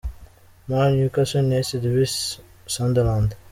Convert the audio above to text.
Mar, Newcastle United vs Sunderland.